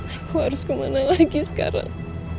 aku harus kemana lagi sekarang